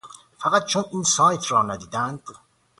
فقط چون این سایت رو ندیدن؟